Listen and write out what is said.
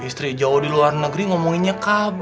istri jawa di luar negeri ngomonginnya kb